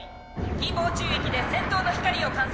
近傍宙域で戦闘の光を観測。